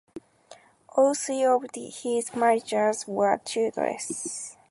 All three of his marriages were childless.